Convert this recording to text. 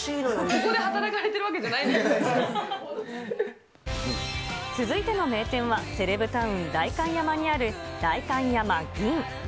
ここで働かれてるわけじゃな続いての名店は、セレブタウン、代官山にあるだいかんやま吟。